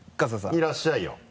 いらっしゃいよ。